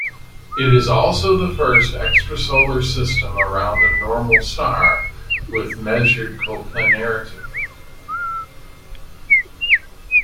It is also the first extrasolar system around a normal star with measured coplanarity.